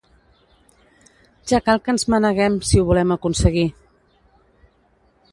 Ja cal que ens manegem, si ho volem aconseguir!